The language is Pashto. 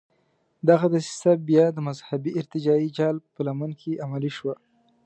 دغه دسیسه بیا د مذهبي ارتجاعي جال په لمن کې عملي شوه.